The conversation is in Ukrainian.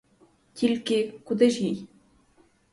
Тільки, куди ж їй!